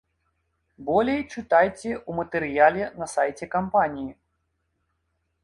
Болей чытайце ў матэрыяле на сайце кампаніі.